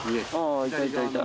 いたいたいた。